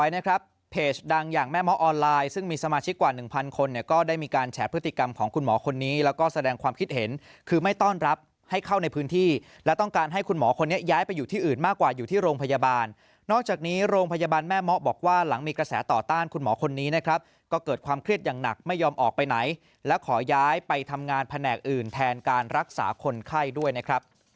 นะครับเพจดังอย่างแม่หมอออนไลน์ซึ่งมีสมาชิกกว่า๑๐๐๐คนก็ได้มีการแฉะพฤติกรรมของคุณหมอคนนี้แล้วก็แสดงความคิดเห็นคือไม่ต้อนรับให้เข้าในพื้นที่และต้องการให้คุณหมอคนนี้ย้ายไปอยู่ที่อื่นมากกว่าอยู่ที่โรงพยาบาลนอกจากนี้โรงพยาบาลแม่หมอบอกว่าหลังมีกระแสต่อต้านคุณหมอคนนี้นะครับก็เกิดค